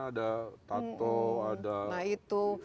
ada cerita nanti katanya ada tato